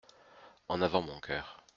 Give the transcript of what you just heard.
En avant mon cœur !